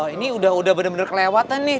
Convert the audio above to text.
ini sudah benar benar kelewatan nih